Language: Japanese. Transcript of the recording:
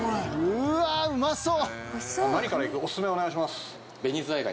「うわうまそう！」